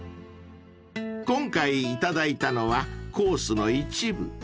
［今回いただいたのはコースの一部］